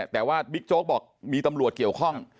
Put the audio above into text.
แต่ว่าบิ๊กโจ๊กบอกมีตำรวจเกี่ยวข้อง